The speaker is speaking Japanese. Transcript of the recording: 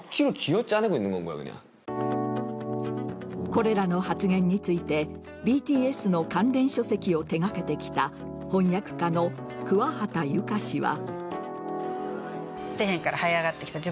これらの発言についてＢＴＳの関連書籍を手掛けてきた翻訳家の桑畑優香氏は。